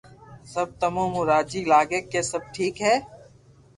سب تمو نو راجي لاگي ڪي سب ٺيڪ ھي